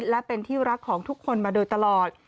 และเป็นที่รักของทุกคนมาโดยตลอด